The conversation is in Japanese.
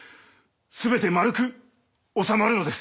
全て丸く収まるのです。